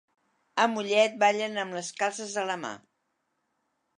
A Mollet ballen amb les calces a la mà.